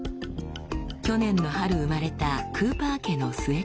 去年の春生まれたクーパー家の末っ子です。